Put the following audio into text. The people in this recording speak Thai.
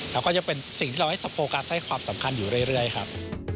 แล้วก็จะเป็นสิ่งที่เราให้โฟกัสให้ความสำคัญอยู่เรื่อยครับ